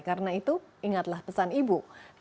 karena itu ingatlah pesan ibu